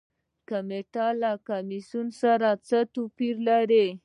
کمیټه له کمیسیون سره څه توپیر لري؟